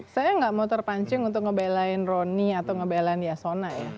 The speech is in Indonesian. saya nggak mau terpancing untuk ngebelain roni atau ngebelain yasona ya